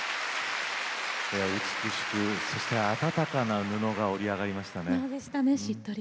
美しく温かな布が織り上がりましたね。